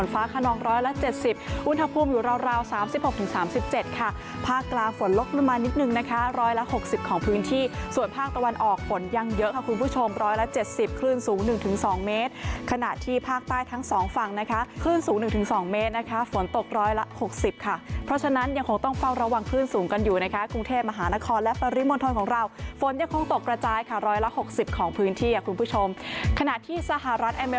ภาพอากาศคล้ายกันค่ะมีฝนฟ้าขนองร้อยละเจ็ดสิบอุณหภูมิอยู่ราวสามสิบหกถึงสามสิบเจ็ดค่ะภาคกลางฝนลกลงมานิดหนึ่งนะคะร้อยละหกสิบของพื้นที่ส่วนภาคตะวันออกฝนยังเยอะค่ะคุณผู้ชมร้อยละเจ็ดสิบคลื่นสูงหนึ่งถึงสองเมตรขณะที่ภาคใต้ทั้งสองฝั่งนะคะคลื่นสูงหนึ่งถ